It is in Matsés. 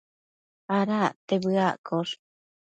Ada acte chuaccosh